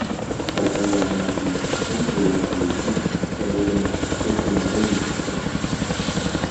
Սակայն ժամանակի ընթացքում հյուրընկալությունն սկսել է գնահատվել գումարի միջոցով։